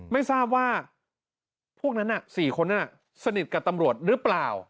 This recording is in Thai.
ไม่ทราบว่าพวกนั้น๔คนนั้นสนิทกับตำรวจหรือเปล่า